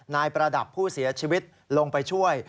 ประดับผู้เสียชีวิตลงไปช่วย